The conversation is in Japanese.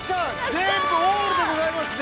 全部オールでございますね！